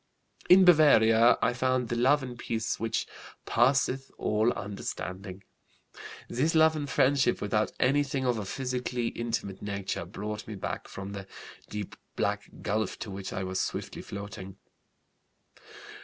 "In Bavaria I found the love and peace 'which passeth all understanding.' This love and friendship without anything of a physically intimate nature brought me back from the 'deep black gulf' to which I was swiftly floating.